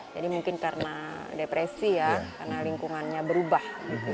jadi mungkin karena depresi ya karena lingkungannya berubah